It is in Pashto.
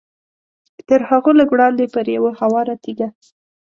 تر هغوی لږ وړاندې پر یوه هواره تیږه.